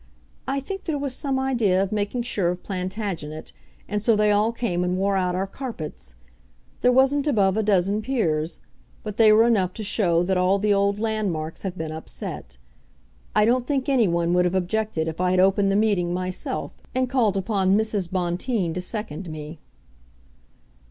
I think there was some idea of making sure of Plantagenet, and so they all came and wore out our carpets. There wasn't above a dozen peers; but they were enough to show that all the old landmarks have been upset. I don't think any one would have objected if I had opened the meeting myself, and called upon Mrs. Bonteen to second me."